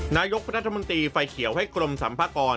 นายกประธรรมนตรีไฟเขียวให้กรมสัมภาคอน